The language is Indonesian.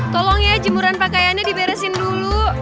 tolong ya jemuran pakaiannya diberesin dulu